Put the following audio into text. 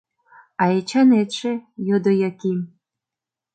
— А Эчанетше? — йодо Яким.